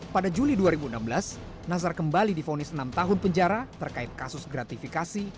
pada juli dua ribu enam belas nasar kembali difonis enam tahun penjara terkait kasus gratifikasi